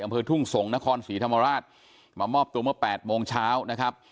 อำเภอทุ่งสงศ์นครศรีธรรมราชมามอบตัวเมื่อ๘โมงเช้านะครับ